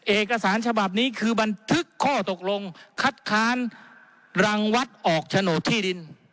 เอกสารฉบับนี้คือบันทึกข้อตกลงคัดค้านรังวัดออกโฉนดที่ดิน